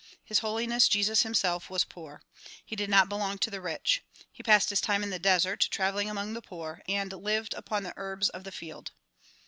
His Holiness Jesus himself was poor. He did not belong to the rich. He passed his time in the desert traveling among the poor, and lived upon the herbs of the field.